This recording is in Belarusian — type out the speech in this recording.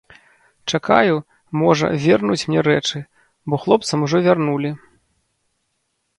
Чакаю, можа, вернуць мне рэчы, бо хлопцам ужо вярнулі.